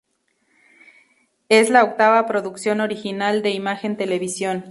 Es la octava producción original de Imagen Televisión.